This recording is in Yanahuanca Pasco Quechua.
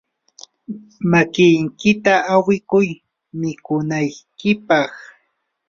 makiykita awikuy mikunaykipaq.